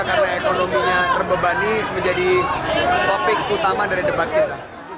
karena ekonominya terbebani menjadi topik utama dari debat kita